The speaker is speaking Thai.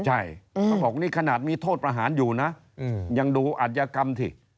ใช่เขาบอกนี่ขนาดมีโทษประหารอยู่นะยังดูอัธยกรรมสิ